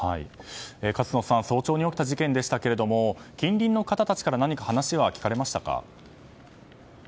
勝野さん、早朝に起きた事件でしたが近隣の方から何か話は聞かれましたか。